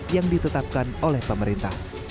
yang ditetapkan oleh pemerintah